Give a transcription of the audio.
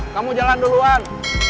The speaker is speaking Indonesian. kamu jalan duluan